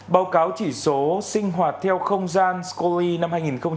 báo cáo chỉ số sinh hoạt theo không gian scoli năm hai nghìn hai mươi một